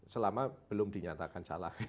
selama belum dinyatakan salah